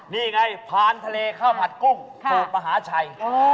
นี่ไงพานทะเลข้าวผัดกุ้งสูตรมหาชัย